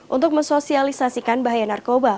untuk mensosialisasikan bahaya narkoba